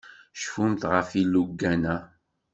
Cfumt ɣef yilugan-a.